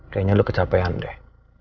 kayaknya lu kejapain deh